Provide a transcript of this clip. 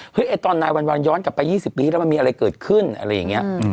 ไอ้ตอนนายวันย้อนกลับไป๒๐ปีที่แล้วมันมีอะไรเกิดขึ้นอะไรอย่างนี้